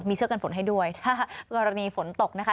มีเสื้อกันฝนให้ด้วยถ้ากรณีฝนตกนะคะ